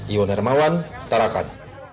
iwan hermawan tarakan